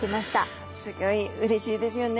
すギョいうれしいですよね。